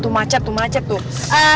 tuh macet tuh macet tuh